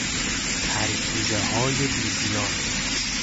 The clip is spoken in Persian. ترکیزههای بیزیان